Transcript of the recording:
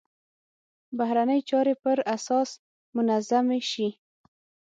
بهرنۍ چارې پر اساس منظمې شي.